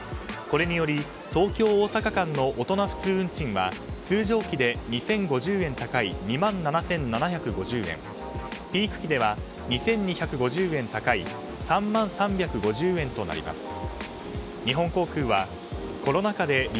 これにより東京大阪間の大人普通運賃は通常期で２０５０円高い２万７７５０円ピーク期では２２５０円高い３万３５０円となります。